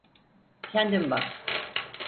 Kendin bak.